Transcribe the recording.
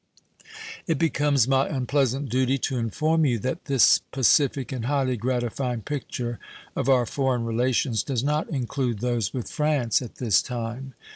It becomes my unpleasant duty to inform you that this pacific and highly gratifying picture of our foreign relations does not include those with France at this time.